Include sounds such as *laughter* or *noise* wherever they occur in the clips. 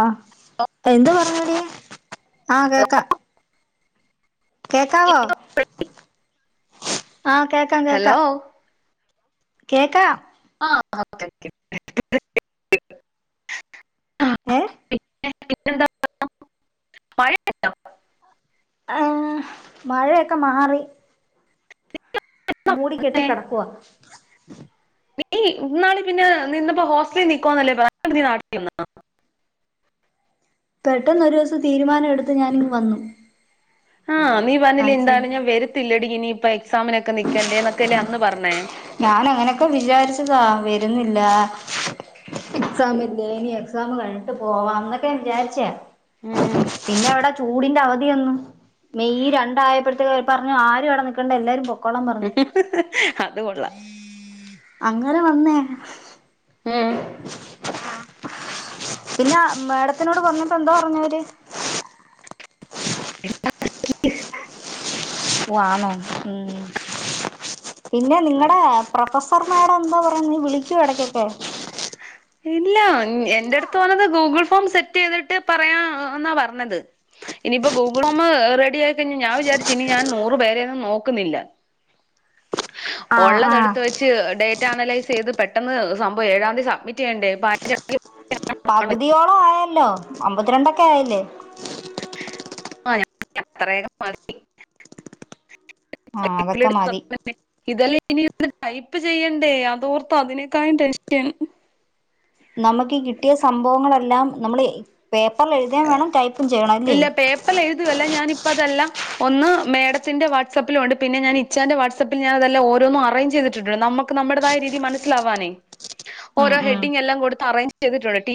ആഹ് എന്ത്പറഞ്ഞടീ ആഹ് കേക്കാ. കേക്കാവോ? ആഹ് കേക്കാം കേക്കാ. ഹലോ കേക്കാ. ആ *unintelligible* ഏഹ് *unintelligible* ഏഹ് മഴയൊക്കെ മാറി മൂടി കെട്ടി കടക്കുവ നീ ഇന്നാള് പിന്നെ നിന്നപ്പോ ഹോസ്റ്റലിൽ നിക്കുവാന്നല്ലേ പറ *unintelligible* നാട്ടിൽവന്നോ പെട്ടെന്ന് ഒരൂസം തീരുമാനം എടു ത്ത് ഞാനിങ്ങ്‌ വന്നു ആഹ് നീ പറഞ്ഞില്ലെ എന്താണ് ഞാൻ വരത്തില്ലെ ടീ ഇനിയിപയ് ഞാനങ്ങനെയൊക്കെ വിചാരിച്ചതാ വരുന്നി ല്ല എക്സാം ഇല്ലേ ഇനി എക്സാമു കഴിഞിട്ട് പോവാ ന്നൊക്കെ ഞാൻ വിചാരിച്ചയാ ഉം പിന്നെ അവടെ ചൂ ടിന്റെ അവധി വന്നു മെയ് രണ്ടായപ്പഴ്ത്തേക് ഈ പറഞ്ഞ ആരും അവിടെ നിക്കണ്ട എല്ലാരും പൊ അത് കൊള്ളാം അങ്ങ് ആരാ വന്നേ ഉം പിന്ന മേഡത്തിനോട് പറഞ്ഞപ്പോ എന്തോറഞ്ഞവര് *inaudible* ഓ ആന്നോ ഉം പിന്നെ നിങ്ങടെ പ്രൊഫസർമാഡം എന്തോ പറയുന്ന് വിളിച്ചോ ഇടക്കൊക്കെ ഇല്ല ഉം എൻ്റെടുത്ത് വന്നത് ഗൂഗിൾ ഫോം സെറ്റിതിട്ട് പറയാ എ ന്നാ പറഞ്ഞത് ഇനിപ്പോ ഗൂഗിൾ ഫോമ് റെഡി ആയി കഴിഞ്ഞ ഞാൻ വിചാരിച്ച് ഇനി ഞാൻ നൂറു പേരൊന്നും നോക്കുന്നില്ല ആഹ് ഒള്ളത് ആഹ് എടുത്ത് വെച്ച് ഡേ റ്റ അനലൈസീത് പെട്ടെന്ന് സംഭവം ഏഴാം തീ സബ്മിറ്റിയണ്ടേ *unintelligible* പകുതിയോളം ആയല്ലോ അമ്പത്തിരണ്ടൊക്കെ ആയില്ലേ *unintelligible* *unintelligible* *unintelligible* ആഹ് അതൊക്കെ മതി ടൈപ്പ് ചെയ്യണ്ടേ അതോർത്ത് അതിനേക്കായും ടെൻഷൻ നമുക്ക് കിട്ടിയ സംഭവങ്ങളെല്ലാം നമ്മള് എ പേപ്പറിൽ എഴുതേം വേണം ടൈപ്പും ചെയ്യണം അല്ലേ ഇല്ല പേപ്പറിൽ എഴുതുകയല്ല ഞാനിപ്പോ അതെല്ലാം ഒന്ന് മേഡത്തിന്റെ വാട്സആപ്പിലുണ്ട് പിന്നെ ഞാൻ ഇച്ചാന്റെ വാട്സആപ്പിൽ ഞാ അതല്ലാം ഓരോന്നും അറേഞ്ച് ചെയ്തിട്ടുണ്ട് നമ്മുക്ക് നമ്മുടേതായ രീതി മനസ്സിലാവാനേ ഉം ഓരോ ഹെഡിങ്ല്ലാം കൊടുത്ത് അറേഞ്ച് ചെയ്തിട്ടുണ്ട്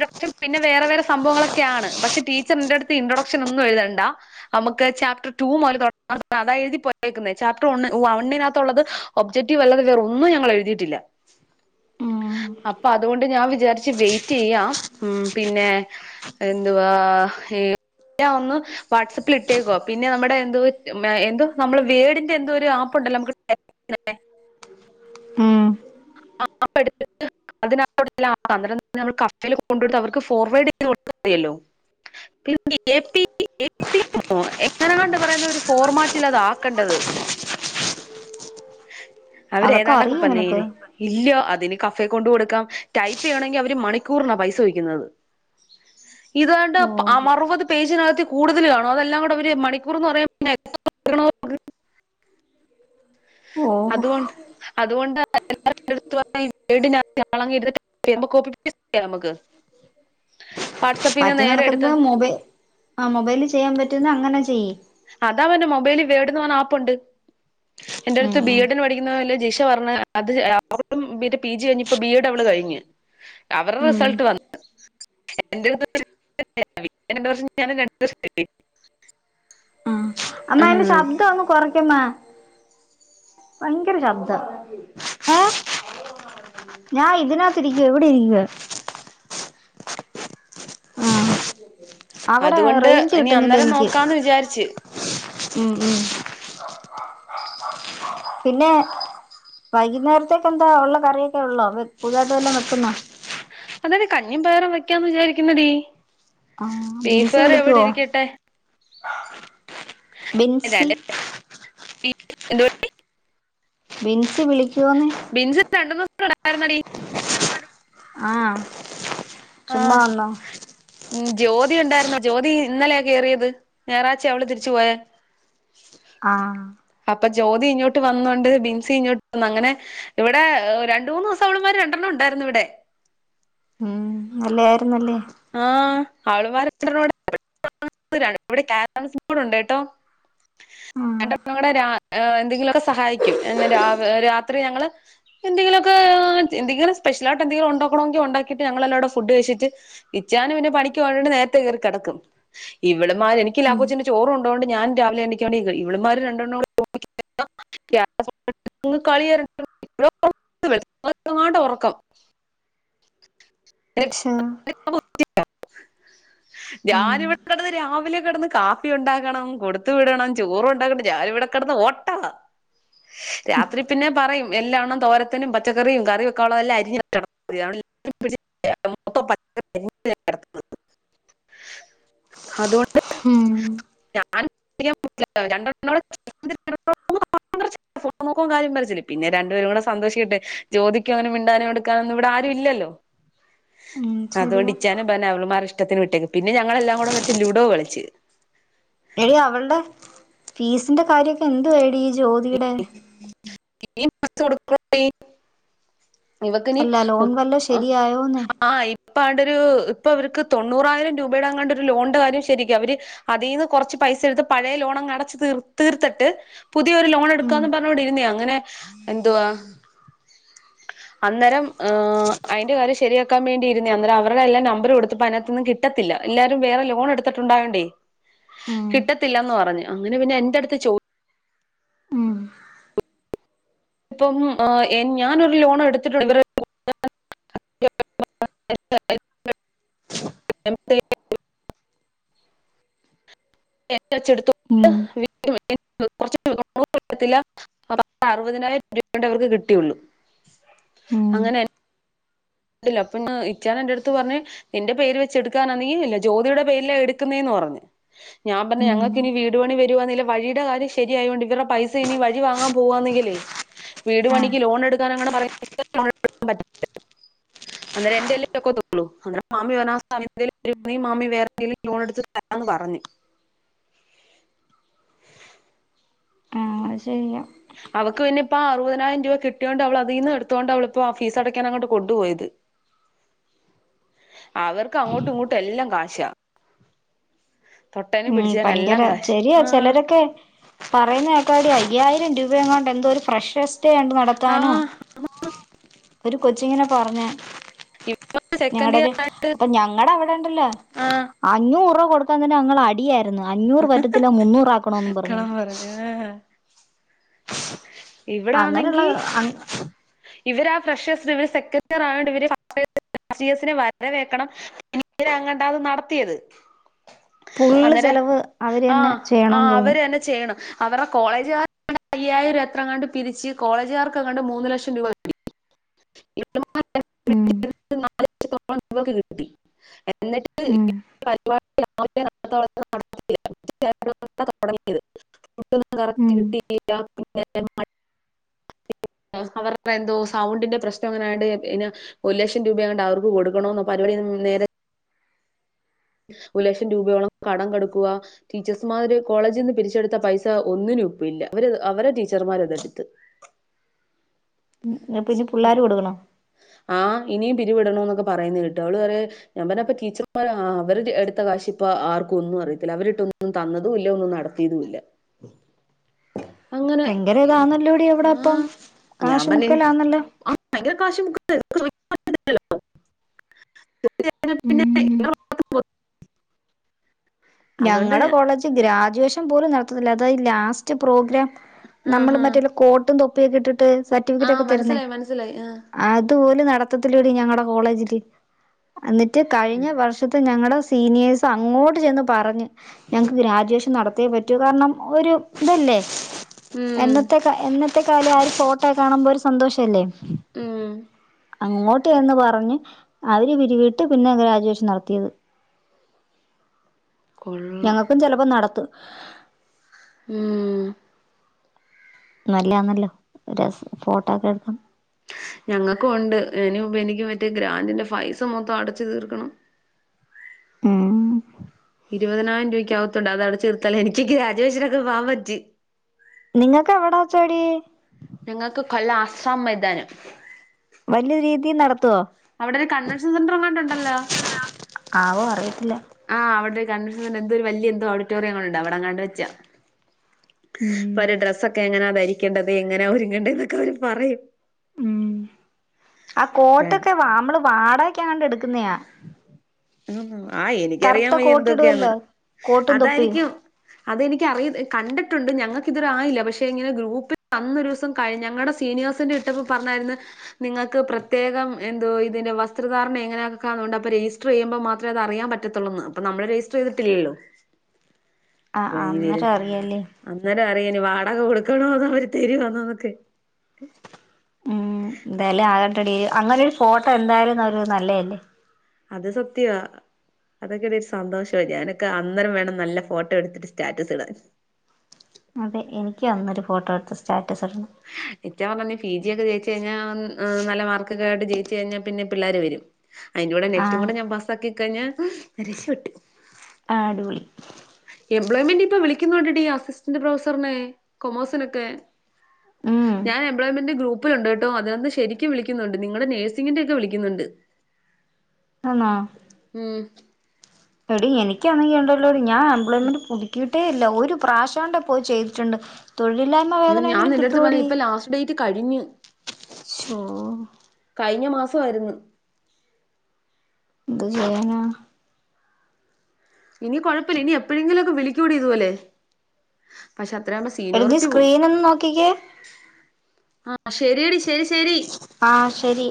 *unintelligible* പിന്നെ വേറെ വേറെ സംഭവങ്ങളൊക്കെയാണ് പഷെ ടീച്ചർന്റെടുത്ത് ഇൻട്രൊഡക്ഷൻ ഒന്നും എഴുതണ്ട അമുക്ക് ചാപ്റ്റർ ടു മുതല് തൊടങ്ങാം അതാ എഴുതി പോയേക്കുന്നെ ചാപ്റ്റർ ഒണ് വണ്ണിനകത്തൊള്ളത് ഒബ്ജക്റ്റീവ് അല്ലതേ വേറൊന്നും ഞങ്ങൾ എഴുതിട്ടില്ല ഉം അപ്പ അതുകൊണ്ട് ഞാൻ വിചാരിച്ച് വെയിറ്റീയ്യാം ഉം പിന്നെ എന്തുവാ ഇ ഒന്ന് വാട്സപ്പിലിട്ടേക്കുവാ പിന്നെ നമ്മടെ എന്തോ മയ് എന്തോ നമ്മള് വേഡിൻ്റെ എന്തോ ഒരു ആപ്പ് ഉണ്ടല്ലോ നമുക്ക് *unintelligible* ഉം *inaudible* കഫേല് കൊണ്ടിട്ട് അവർക്ക് ഫോർവേഡ് ചെയ്ത് കൊടുത്താൽ മതിയല്ലോ പിന്ന *inaudible* എങ്ങനെ കണ്ട് പറയുന്ന ഒരു ഫോർമാറ്റിൽ അത് ആക്കണ്ടത് അവര് അതൊക്കെ ഏതാണ്ടൊക്കെ അറിയോ നിനക്ക് പറഞ്ഞേന് ഇല്ല അതിന് കഫ് ഫെ കൊണ്ടു കൊടുക്കാം ടൈപ്പിയ ണെങ്കിഅവര് മണിക്കൂറിന പൈസ ചോയ്ക്കുന്നത് ഇത്ണ്ട് ഓ പഅമ അറുപത് പേജിനകത്തി കൂടുതൽ കാണും അതെല്ലാം കൂടെ വര് മണിക്കൂർന്ന് പറയുമ്പോ *unintelligible* ഓഹ് അതൊണ്ട് അതുകൊണ്ട *unintelligible* കോപി പേസ്റ്റ് ചെയ്യ നമ്മക്ക് പറ്റുന്നകണകൊന്ന് മൊബൈ ആ മൊബൈല് ചെയ്യാൻ പറ്റുന്ന അങ്ങനെ ചെയ്യ് അതാ പറഞ്ഞെ മൊബൈലെ വേഡുന്നറഞ്ഞ ആപ്പുണ്ട് എന്റെറ ഉം അടുത്ത് ബി ഉം എഡ് ന് പഠിക്കുന്ന വല്ല ജിഷ പറഞ്ഞ് അത് അ അവളും ബി റ്റേ പി ജി കഴിഞ്ഞ്പ്പ ബി എഡ് അവള് കഴിഞ്ഞ് അവറ ഉം റിസൾട്ട് വന്നു *unintelligible* അമ്മയ്ൻ്റെ ഉം. ശബ്ദങ്ങ് കൊറയ്ക്കമ്മ ഭങ്കര ശബ്ദ ഏ ഞാൻ ഇതിനത്ത് ഇരിക്കുവ ഇവിടിരിക്കുവ ആഹ് അതുകൊണ്ട് ഇനി അന്നേരം നോക്കാന്ന് വിചാരിച്ച് ഉം ഉം പിന്നെ വൈകുന്നേരത്തേക്ക എന്താ ഉള്ള കറിയൊക്കെ ഉള്ളോ പുതുതായിട്ട് വെല്ലോം വെക്കുന്നോ അതെ കഞ്ഞിയും പയറും വെക്കാന്ന് വിചാരിക്കുന്നഡീ ആഹ് ബിഫ് വിളിക്കുവോ ആ ബിൻസിൽ ന്തി എന്ത *unintelligible* ബിൻസി വിളിക്കുവോന്ന് ടുന്നടി *unintelligible* ആ.. ചുമ്മാ വന്നോ ഉം ജ്യോതി ഉണ്ടായിരുന്നോ ജ്യോതി ഇന്നലെയാ കേറിയത് ഞായറാഴ്ച അവള് തിരിച്ചു പോയേ ആ അപ്പൊ ജ്യോതി ഇങ്ങോട്ട് വന്നോണ്ട് ബിൻസി ഇങ്ങോട്ട് വന്ന്. അങ്ങനെ ഇവിടെ രണ്ട് മൂന്ന് ദിവസം അവുളുമാര് രണ്ടെണ്ണം ഉണ്ടായിരുന്നു ഇവിടെ നല്ല ആയിരുന്നല്ലേ ആ.. അവിളുമാർ രണ്ടെണ്ണകൂടെ ഇവിടെ ക്യാരംസ്ബോർട് ഉണ്ട് കേട്ടോ ആഹ് എന്തെങ്കിലുമൊക്കെ സഹായിക്കും രാത്രി ഞങ്ങള് എന്തെങ്കിലുമൊക്കെ എന്തെങ്കിലും സ്പെഷ്യൽ ആയിട്ട് എന്തെങ്കിലും ഉണ്ടാക്കണെങ്കി ഉണ്ടാക്കിട്ട് ഞങ്ങൾ എല്ലാംകൂടെ ഫുഡ് കഴിച്ചിട്ട്- ഇച്ചാനും പിന്നെ പണിക്ക്പോവണ്ടോണ്ട് നേരത്തെ കേറികിടക്കും ഇവള്മാര് എനിക്ക് ഉം ലാക്കോചന് ചോറു ഉണ്ടോണ്ട് ഞാൻ രാവിലെ എണീക്കു വാണേ ഇവലുമാര് രണ്ടെണ്ണുടി ഉറക്കം ക്ഷാ *unintelligible* ഞാൻ ഇവിടെ കിടന്ന് രാവിലെ കിടന്ന് കാപ്പി ഉണ്ടാക്കണം കൊടുത്തു വിടണം ചോറും ഉണ്ടാക്കണം ഞാനിവിടെ കിടന്ന് ഓട്ടവാ രാത്രി പിന്നെ പറയും എല്ലാണ്ണം തോരത്തിനും പച്ചക്കറിയും കറി വെക്കാവുള്ളതെല്ലാം അരിഞ്ഞു വയ്ക്കണം മൊത്ത അതണ്ട് *unintelligible* ഹിംമ് ഞാൻ രോൺ നോക്ക *unintelligible* ൻ കാര്യംേ പിന്നെ രണ്ടുപേരും കൂടെ സന്തോഷിക്കിട്ടെ ജോതിക്കും അങ്ങനെ മിണ്ടാനും എടുക്കാനും ഇവിടെ ആരും ഇല്ലല്ലോ *inaudible* ഉം അതുകൊണ്ട് ശരിയാ ഇച്ചാനും പറഞ്ഞ് അവളുമാരുടിഷ്ടം ഇഷ്ടത്തിന് വിട്ടേക്ക് പിന്നെ ഞങ്ങളെല്ലാം കൂടെ മറ്റേ ലുഡോ കളിച്ച് എടി അവളുടെ- ഫീസിന്റെ കാര്യക്കെ എന്തോ ആയടി ജ്യോതീടെ *unintelligible* ഇവക്കിനി അല്ല ലോൺ വല്ലോം ശരിയായോന്ന് ആ ഇപ്പ ആണ്ടൊരു ഇപ്പൊ അവര്ക്ക് തൊണ്ണൂറായിരം രൂപയുടെ അങ്ങാണ്ട് ഒരു ലോണിന്റെ കാര്യം ശരിക്കും അവര് അതിൽ നിന്ന് കുറച്ച് പൈസ എടുത്ത് പഴയ ലോൺ അങ്ങ് അടച്ച്തീ തീർത്തിട്ട് പു പുതിയൊരു ലോൺ ഉം എടുക്കാന്ന് പറഞ്ഞോണ്ടിരുന്നയാ അങ്ങനെ എന്തുവാ അന്നേരം അയിന്റെ കാര്യം ശരിയാക്കാൻ വേണ്ടിയിരുന്നെ അന്നേരം അവരുടെ എല്ലാം നമ്പറും കൊടുത്തപ്പ അതിനാത്ത്ന്നാ കിട്ടത്തില്ല എല്ലാരും വേറെ ലോൺ എടുത്തിട്ടുണ്ടായോണ്ടേ ഉം കിട്ടത്തില്ലന്ന് പറഞ്ഞ് അങ്ങനെ പിന്നെ എന്റെ അടുത്ത് ചോ ഉം ഇപ്പം എൻഞാനൊരു ലോൺ എടുത്തിട്ടുണ്ട് ഇവർ എന്റെ അച്ചടുത്തോ ഉം *inaudible* അറുപതിനായിരം രൂപണ്ട് അവർക്ക് കിട്ടിയുള്ളു ഉം അങ്ങനെ ഇ അപ്പൊ ഇച്ചാൻ എന്റെടുത്ത് പറഞ്ഞ് നിന്റെ പേര് വെച്ച് എടുക്കാനാന്നെങ്കി ഇല്ല ജ്യോതിയുടെ പേരിലാ എടുക്കുന്നേന്ന് പറഞ്ഞു ഞാൻ പറഞ്ഞ് ഉം ഞങ്ങക്കിനി വീട് പണി വര വഴിയുടെ കാര്യം ശരിയായൊണ്ട് ഇവരുടെ പൈസ ഇനി വഴി വാങ്ങാൻ പോവാന്നങ്കില്ലേ വീട് ആഹ് പണിക്ക് ലോൺ എടുക്കാൻങ്ങെട് *inaudible* അന്നേരം എന്റെല്ലെതൊക്കെ *unintelligible* മാമി *unintelligible* വേറെന്തേലും ലോണെടുത്ത് തരാന്ന് പറഞ്ഞു അത് ശരിയാ അവക്ക് പിന്നെ ഇപ്പ അറുപതിനായിരം രൂപ കിട്ടിയോണ്ട് അവളതീന്ന് എടുത്തോണ്ട് അവളിപ്പോ ആ ഫീസടക്കാൻ അങ്ങോട്ട് കൊണ്ടുപോയത് അവർക്ക് അങ്ങോട്ടും ഇങ്ങോട്ടും എല്ലാം കാശാ തൊട്ടേനും ഉ പിടിച്ചേനും എല്ലാം ഭയങ്കര കാശ് ശെരിയ ആ ചിലരൊക്കെ പറയുന്നേക്കാടി അയ്യായിരം രൂ പയെങ്ങാണ്ട് എന്തോര് ഫ്രഷ്സ് ഡെ നടത്താനോ ആ ഒരു കൊച്ചിങ്ങനെ പറഞ്ഞ ഇപ്പ സെക്കൻഡ് ഇയർ ഞങ്ങടൊര് അപ്പൊ ഞങ്ങടെ അവിടെണ്ടല്ലോ ആഹ് അഞ്ഞൂർറ കൊടുക്കാൻ തന്നെ ഞങ്ങളടിയാര്ന്ന് അഞ്ഞൂറ് പറ്റത്തില്ല മുന്നൂറാക്കണോന്ന് കളം പറഞ്ഞോണ്ട് പറഞ്ഞു ആഹ് അങ്ങനുള്ള ഇവരാ ഫ്രഷേഴ്സിന് ഇവര് സെക്കൻ് ഇയർ ആയോണ്ട് ഇവർഫസ്റ്റ് ഇയേസിന് വരവേൽക്കണം ഇവരങ്ങണ്ടാത് നടത്തിയത് ഫുള്ള് അന്നേര ചെലവ് അവര് ആ തന്നെ ആ ചെയ്യണോന്ന് തോന്നുന്നു അവരന്നെ ചെയ്യണം അവറ കോളേജ് *inaudible* അയ്യായിരം ഇത്ര കണ്ട് പിരിച്ച് കോളേജുകാർക്ക് കണ്ട് മൂന്ന് ലക്ഷം രൂപ *inaudible* ഉ ഉം *unintelligible* *unintelligible* കിട്ടി എന്നിട്ട് ഉം *unintelligible* *unintelligible* ഫുഡൊന്നും കറക്റ്റ് ഉം കിട്ടിയില്ല *unintelligible* അവരുടെ എന്തോ സൗണ്ടിന്റെ പ്രശ്നം എങ്ങനെയണ്ട് ഇന്ന ഒരു ലക്ഷം രൂപ അങ്ങണ്ട് അവർക്ക് കൊടുക്കണന്ന പരിപാടി നേരെ ഒരു ലക്ഷം രൂപയോളം കടം കടുക്കുവാ ടീച്ചേഴസ്മാര് കോളേജിൽ നിന്ന് പിരിച്ചെടുത്ത പൈസ ഒന്നിനും ഉപ്പിഇല്ല അവര് അവരെ ടീച്ചർമാരതെടുത്ത് ഉ പിന്നെ പിള്ളോര് കൊടുക്കണോ ആ ഇനിയും പിരിവിടണോ എന്നൊക്കെ പറയുന്നത് കേട്ട് അവള് പറ ഞാൻ പറഞ്ഞപ്പ ടീച്ചർമാർ അവര് എടുത്ത കാശ് ഇപ്പ ആർക്കും ഒന്നും അറിയത്തില്ല അവരിട്ടൊന്നും തന്നതൂല്ല ഒന്നും നടത്തിയതും ഇല്ല അങ്ങനെ ഭയങ്കര ഇതാന്നല്ലൂടി അവിടെ ആ അപ്പം ഞാൻ കാശ് പറഞ്ഞ് മുക്കല അല്ല ആ ഭയങ്കര കാശ് മുക്ക് *unintelligible* *unintelligible* പിന്നെ അതുകൊണ്ട് ഞങ്ങളുടെ ഞാൻ കോളേജ് ഗ്രാജുവേഷ പോലും നടത്തത്തുന്നല്ല അതായത് ലാസ്റ്റ് പ്രോഗ്രാം നമ്മള് ആഹാ മറ്റല്ല ആ കോട്ടും തൊ പ്പ് കിട്ടിട്ട് ആ സർട്ടിഫിക്കറ്റ് ഒക്കെ തരുന്നേ മനസ്സിലായി മനസ്സിലായി ആ അതുപോലും നടത്തത്തില്ലടി ഞങ്ങളടെ കോളേജില് എന്നിട്ട് കഴിഞ്ഞ വർഷത്തെ ഞങ്ങളുടെ സ് സീനിയേഴ്സ് അങ്ങോട്ട് ചെന്ന് പറഞ്ഞ് ഞങ്ങക്ക് ഗ്രാജുവേഷൻ നടത്തേ പറ്റൂ കാരണം ഒരു ഇതല്ലേ ഉം എന്നത്തേക്ക എന്ന ഇറ്റത്തെക്കാല ആ ഒരു ഫോട്ടോ കാണുമ്പോ ഒരു സന്തോഷല്ലേ ഉം അങ്ങോട്ട എന്ന് പറഞ്ഞ് അവര് പിരിവിട്ട് പിന്നെ ഗ്രാജുവേഷൻ നടത്തിയത് കൊള്ളാം ഞങ്ങൾക്കും ചിലപ്പോ നടത്തും ഉം നല്ലാന്നല്ലോ രസ ഫോട്ടോ ഒക്കെ എടുക്കാം ഞങ്ങക്കും ഉണ്ട് ഇനി എനിക്ക് മറ്റേ ഗ്രാന്റിന്റെ പൈസ മൊത്തം അടച്ചു തീർക്കണം ഉം ഇരുപതിനായിരം രൂപയ്ക്ക ആകത്തണ്ട് അത് അടച്ചു തീർത്താലേ എനിക്ക് ഗ്രാജുവേഷൻ ഒക്കെ പോകാൻ പറ്റു നിങ്ങക്ക് എവിടാ ചെടി ഞങ്ങൾക്ക് കൊല്ല അസാം മൈതാനം വലിയ രീതി നടത്തുവോ അവിടെ ഒരു കൺവെൻഷൻ സെന്റർ എങ്ങാണ്ട് ഉണ്ടല്ലോ ആവോ അറിയത്തില്ല ആഹ് അവിടെ ഒരു കൺവൻഷൻ എന്തോ വലിയ എന്തോ ഓഡിറ്റോറിയം ഉണ്ട് അവിടെങ്ങാണ്ട് വെച്ച ഇപ്പൊ ഉം ഒരു ഡ്രസൊക്കെ എങ്ങനെയ രിക്കേണ്ടത് എങ്ങനാ ഒരുങ്ങേണ്ട എന്നൊക്കെ അവര് പറയും ഉം ആ കോട്ടൊക്കെ വമ്പള് വാടകക്കെങ്ങാണ്ട് എടുക്കുന്നയാ മ്മ് ആഹ് എനിക്കറിയാൻ കറുത്ത വയ്യ എന്തൊക്കെയന്ന് കോട്ടിടുവല്ലോ കോട്ടും തൊപ്പിയും അതായിരിക്കും അതെനിക്കറിയി കണ്ടിട്ടുണ്ട് ഞങ്ങൾക്കിതുവരെയായില്ല പക്ഷെ ഇങ്ങനെ ഗ്രൂപ്പിൽന്നൊ ദിവസം കഴി ഞങ്ങളുടെ സീനിയേഴ്സിന്റെ ഇട്ടപ്പോൾ പറഞ്ഞായിരുന്നു നിങ്ങൾക്ക് പ്രത്യേകം എന്തോ ഇതിന്റെ വസ്ത്രധാരണം എങ്ങനെയ ആക്കൊണ്ട് അപ്പോ രജിസ്റ്റർ രജിസ്റ്റർ ചെയ്യുമ്പോ മാത്രമേ അറിയാൻ പറ്റത്തുള്ളന്ന് അപ്പൊ നമ്മള് രജിസ്റ്റർ ചെയ്തിട്ടില്ലല്ലോ ആ അ ഇനി വര അന്നേരം അറിയാല്ലേ അന്നേരം അറിയനി വാ ആകെ കൊടുക്കണോത അവര് തരുവാനോന്നൊക്കെ ഉം എന്തായാലും ആകട്ടടീ അങ്ങനെ ഒരു ഫോട്ടോ എന്തായാലും നല്ലതല്ലേ അത് സത്യമാ അതൊക്കെ ഒരു സന്തോഷ ഞാനൊക്കെ അന്നേരം വേണം നല്ല ഫോട്ടോ എടുത്തിട്ട് സ്റ്റാറ്റസ് ഇടാൻ അതെ എനിക്ക് അന്നൊരു ഫോട്ടോ എടുത്ത് സ്റ്റാറ്റ എനിക്ക പി ജി ഒക്കെ ജയിച്ച് കഴിഞ്ഞാൽ നല്ല മാർക്ക് ഒക്കെ ആയിട്ട് ജയിച്ചു കഴിഞ്ഞാ പിന്നെ പിള്ളേർ വരും അതിന്റെ കൂടെ നെറ്റും ആഹ് കൂടെ ഞാൻ പാസ്സാക്കി കഴഞ്ഞ നി രശപ്പെട്ടു ആടോളി എംപ്ലോയ്മെന്റ് ഇപ്പൊ വിളിക്കുന്ന്ണ്ടടീ അസിസ്റ്റന്റ് പ്രൊഫസറിനെ കൊമേഴ്സിനൊക്കെ ഉം ഞാ എംപ്ലോയ്മെന്റ് ഗ്രൂപ്പ പ്പിലുണ്ടേട്ടോ അതിനൊന്ന് ശരിക്കും വിളിക്കുന്നുണ്ട് നിങ്ങള് നേഴ്സിങ്ങിന്റെയൊക്കെ വിളിക്കുന്നുണ്ട് ആണൊ ഉം എടി എനിക്കൊന്ന്യ്യണ്ടല്ലോ ഞാ എംപ്ലോയ്മൻ്റ് പുത്ക്കി ഇട്ടേല്ല ഒരു പ്രാശ കൊണ്ട പോയി ചെയ്തിട്ടുണ്ട് തൊഴിലില്ലായ്മ ഇയ്യൊ ഞാൻ വേതനെങ്കിലും നിന്റെ എട്ത്ത് പറഞ്ഞിലെ കിട്ടുവോടി ഇപ്പൊ ലാസ്റ്റ് ഡേറ്റ് കഴിഞ്ഞ്. ശോ കഴിഞ്ഞ മാസ വായിരുന്ന് ന്തു ചെയ്യാനാ ഇനി കുഴപ്പ ഇല്ല. ഇനി എപ്പഴെങ്കിലു ഒക്കെ വിളിക്കോടി ഇതു പോലെ പക്ഷെ അത്രയാകുമ്പോ എടക്കീ സീനിയോറിറ്റി പോവും സ്ക്രീൻ ഒന്നും നോക്കിക്കേ ആഹ് ശരിയെടി ആഹ ശരി